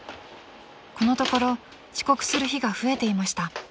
［このところ遅刻する日が増えていました］